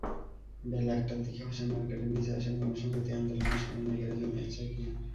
বেলা একটার দিকে হোসেন মার্কেটের নিচে আসেন গণসংহতি আন্দোলনের সমন্বয়কারী জোনায়েদ সাকি।